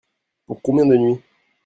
Pour combien de nuits ?